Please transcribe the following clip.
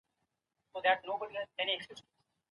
د بدن هر غړی ځانګړې دنده سرته رسوي.